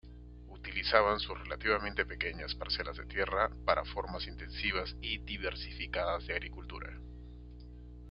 Utilizaban sus relativamente pequeñas parcelas de tierra para formas intensivas y diversificadas de agricultura.